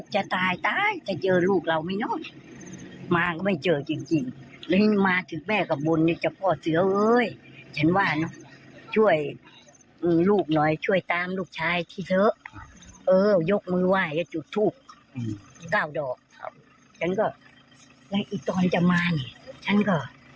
ฉันก็แล้วอีกตอนจะมาเนี่ยฉันก็จุดทูบอีกดอกนึง